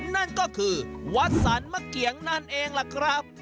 นั่นก็คือวัดสรรมะเกียงนั่นเองล่ะครับ